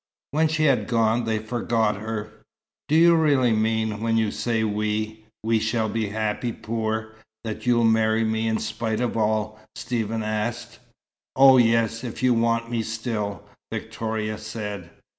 When she had gone, they forgot her. "Do you really mean, when you say we we shall be happy poor, that you'll marry me in spite of all?" Stephen asked. "Oh, yes, if you want me still," Victoria said.